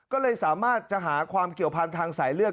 ก็เลยสามารถจะหาความเกี่ยวพันธ์ทางสายเลือด